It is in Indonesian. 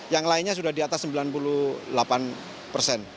yang lainnya sudah di atas sembilan puluh delapan persen